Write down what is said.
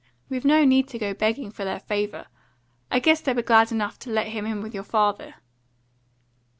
We've no need to go begging for their favour. I guess they were glad enough to get him in with your father."